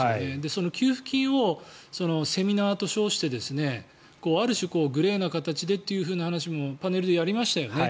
その給付金をセミナーと称してある種、グレーな形でという話もパネルでやりましたよね。